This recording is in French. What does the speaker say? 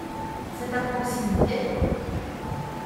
C’est à proximité ?